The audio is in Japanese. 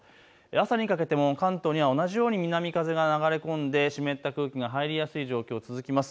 朝にかけても関東には同じように南風が流れ込んで湿った空気が入りやすい状況が続いています。